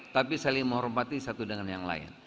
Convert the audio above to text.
tapi saling menghormati satu dengan yang lain